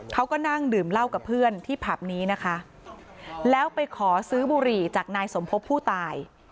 เขาก็นั่งดื่มเหล้ากับเพื่อนที่ผับนี้นะคะแล้วไปขอซื้อบุหรี่จากนายสมพบผู้ตาย